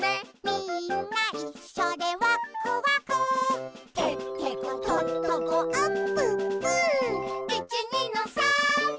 「みんないっしょでワックワク」「てってことっとこあっぷっぷ」「いちにのさーんで」